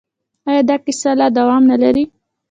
آیا دا کیسه لا دوام نلري؟